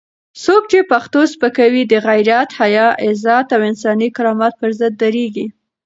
څوک چې پښتو سپکوي، د غیرت، حیا، عزت او انساني کرامت پر ضد درېږي.